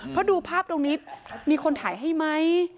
เพราะดูภาพตรงนี้มีคนถ่ายให้ไหม